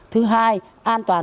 thứ hai an toàn